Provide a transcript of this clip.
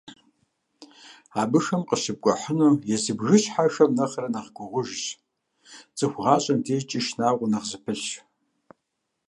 Абыхэм къыщыпкIухьыну езы бгыщхьэхэм нэхърэ нэхъ гугъужщ, цIыху гъащIэм дежкIи шынагъуэ нэхъ зыпылъщ.